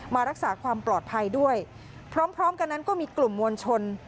มารักษาความปลอดภัยด้วยพร้อมพร้อมกันนั้นก็มีกลุ่มมวลชน